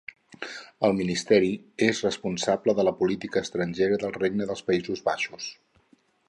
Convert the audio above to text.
El Ministeri és responsable de la política estrangera del Regne dels Països Baixos.